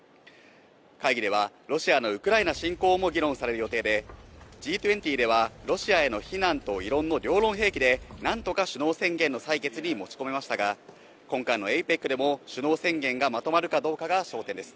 会議ではロシアのウクライナ侵攻も議論される予定で、Ｇ２０ではロシアへの非難と異論の両論併記で何とか首脳宣言の採決に持ち込めましたが今回のＡＰＥＣでも首脳宣言がまとまるかどうかが焦点です。